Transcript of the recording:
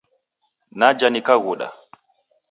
Naja nikaghuda.